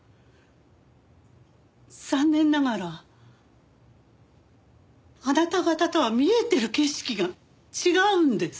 残念ながらあなた方とは見えてる景色が違うんです。